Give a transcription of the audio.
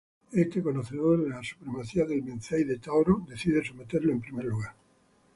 Este, conocedor de la supremacía del "mencey" de Taoro, decide someterlo en primer lugar.